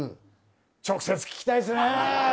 直接聞きたいですね！